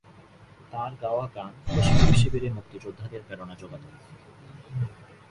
তাঁর গাওয়া গান প্রশিক্ষণ শিবিরে মুক্তিযোদ্ধাদের প্রেরণা যোগাতো।